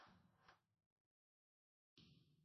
موږ چې نن په ښوونځي کې سبق وایو.